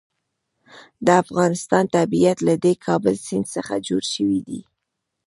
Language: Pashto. د افغانستان طبیعت له د کابل سیند څخه جوړ شوی دی.